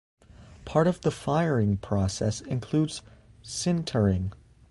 Part of the firing process includes sintering.